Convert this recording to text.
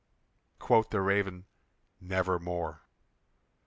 Quoth the Raven, "Nevermore."